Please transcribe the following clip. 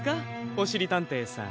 おしりたんていさん。